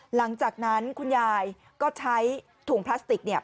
หลังจากนั้นคุณยายก็ใช้ถุงพลาสติกเนี่ย